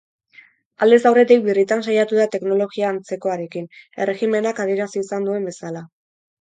Aldez aurretik birritan saiatu da teknologia antzekoarekin, erregimenak adierazi izan duen bezala.